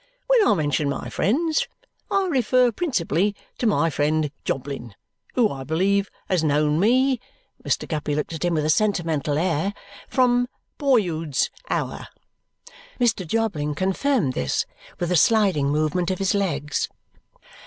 When I mention my friends, I refer principally to my friend Jobling, who I believe has known me," Mr. Guppy looked at him with a sentimental air, "from boyhood's hour." Mr. Jobling confirmed this with a sliding movement of his legs.